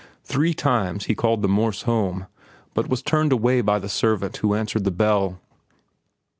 Three times he called at the Morse home, but was turned away by the servant who answered the bell.